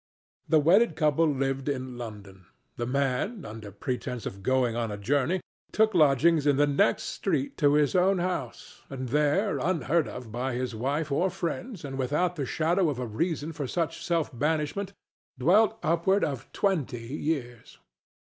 The wedded couple lived in London. The man, under pretence of going a journey, took lodgings in the next street to his own house, and there, unheard of by his wife or friends and without the shadow of a reason for such self banishment, dwelt upward of twenty years.